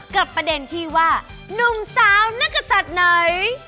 ประเด็นที่ว่านุ่มสาวนักศัตริย์ไหน